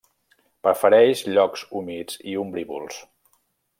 Prefereix llocs humits i ombrívols.